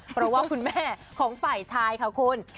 เพราะว่าคุณแม่ของฝ่ายชายค่ะคุณ